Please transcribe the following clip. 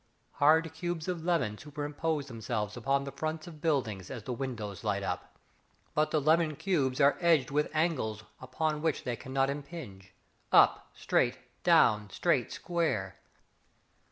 Hard cubes of lemon Superimpose themselves upon the fronts of buildings As the windows light up. But the lemon cubes are edged with angles Upon which they cannot impinge. Up, straight, down, straight square.